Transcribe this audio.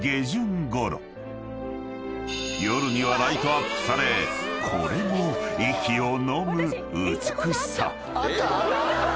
［夜にはライトアップされこれも息をのむ美しさ］